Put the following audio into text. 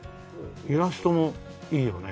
イラストもいいよね。